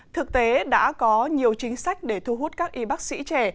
thực tế đã có nhiều chính sách để thu hút các y bác sĩ trẻ